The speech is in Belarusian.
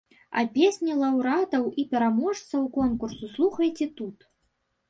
А песні лаўрэатаў і пераможцаў конкурсу слухайце тут.